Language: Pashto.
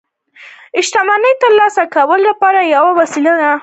پیسې د شتمنۍ ترلاسه کولو لپاره یوه وسیله ده